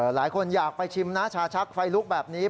หลายคนอยากไปชิมนะชาชักไฟลุกแบบนี้